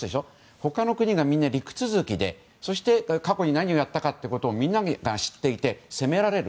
他の国と陸続きでそして、過去に何をやったかみんなが知っていて責められる。